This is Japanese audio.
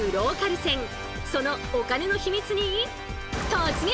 そのお金のヒミツに突撃！